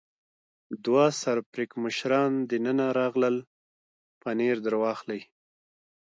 دوه سر پړکمشران دننه راغلل، پنیر در واخلئ.